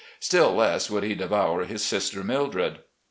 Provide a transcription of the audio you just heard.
Still less would he devour his sister 'Mildred.